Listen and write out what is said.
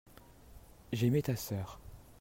j'aimais ta sœur.